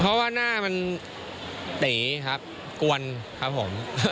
เพราะว่าหน้ามันตีครับกวนครับผม